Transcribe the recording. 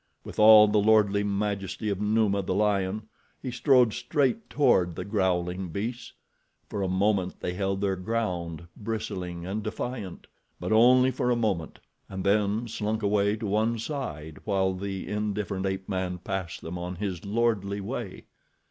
With all the lordly majesty of Numa, the lion, he strode straight toward the growling beasts. For a moment they held their ground, bristling and defiant; but only for a moment, and then slunk away to one side while the indifferent ape man passed them on his lordly way.